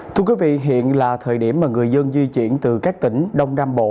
thưa quý vị hiện là thời điểm mà người dân di chuyển từ các tỉnh đông nam bộ